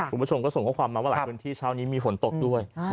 คุณผู้ชมก็ส่งข้อความมาว่าหลายพื้นที่เช้านี้มีฝนตกด้วย